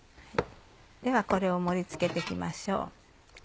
ではこれを盛り付けて行きましょう。